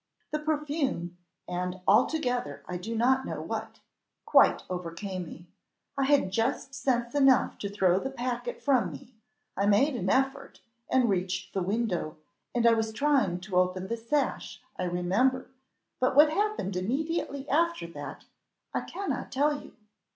"The perfume, and altogether I do not know what, quite overcame me. I had just sense enough to throw the packet from me: I made an effort, and reached the window, and I was trying to open the sash, I remember; but what happened immediately after that, I cannot tell you.